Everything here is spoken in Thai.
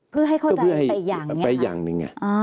เพื่อให้เข้าใจไปอย่างเนี่ย